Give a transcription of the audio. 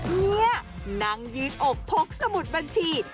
เฮียนางยืดอกพกสมุดบัญชี